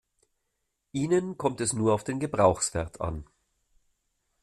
Ihnen kommt es nur auf den Gebrauchswert an.